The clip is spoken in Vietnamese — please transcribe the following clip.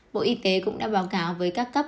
bộ y tế cũng đã báo cáo với các cấp